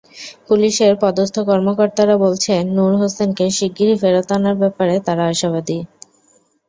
পুলিশের পদস্থ কর্মকর্তারা বলছেন, নূর হোসেনকে শিগগিরই ফেরত আনার ব্যাপারে তাঁরা আশাবাদী।